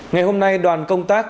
ngày hôm nay đoàn công tác